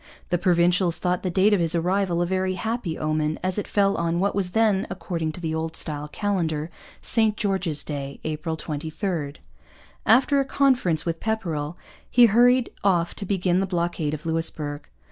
The Provincials thought the date of his arrival a very happy omen, as it fell on what was then, according to the Old Style calendar, St George's Day, April 23. After a conference with Pepperrell he hurried off to begin the blockade of Louisbourg.